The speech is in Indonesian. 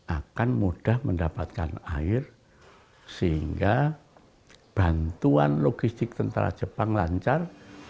akan mudah mendapatkan air sehingga bantuan logistik tentara jepang lancar